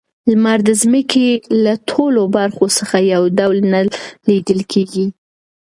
لمر د ځمکې له ټولو برخو څخه یو ډول نه لیدل کیږي.